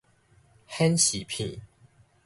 顯示片